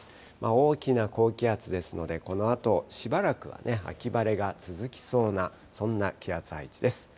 大きな高気圧ですので、このあとしばらくはね、秋晴れが続きそうな、そんな気圧配置です。